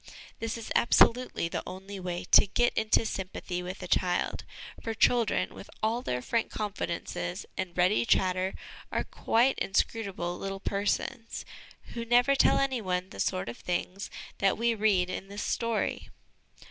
This is absolutely the only way to get into sympathy with a child, for children, with all f heir frank confidences and ready chatter, are quite inscrutable little persons, who never tell anyone the sort of things that we read in this ' Story.'